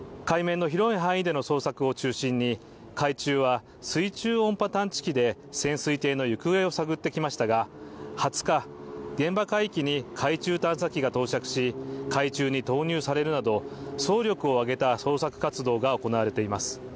海面の広い範囲での捜索を中心に、海中は水中音波探知機で潜水艇の行方を探ってきましたが２０日現場海域に海中探査機が到着し、海中に投入されるなど、総力を挙げた捜索活動が行われています。